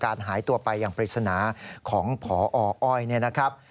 หายตัวไปอย่างปริศนาของพออ้อยเนี่ยนะครับ